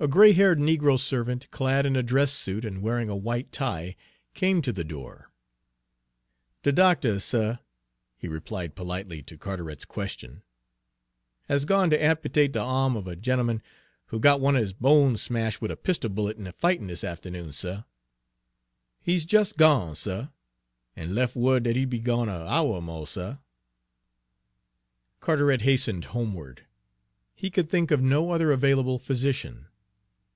A gray haired negro servant, clad in a dress suit and wearing a white tie, came to the door. "De doctuh, suh," he replied politely to Carteret's question, "has gone ter ampitate de ahm er a gent'eman who got one er his bones smashed wid a pistol bullet in de fightin' dis atternoon, suh. He's jes' gone, suh, an' lef' wo'd dat he'd be gone a' hour er mo', suh." Carteret hastened homeward. He could think of no other available physician.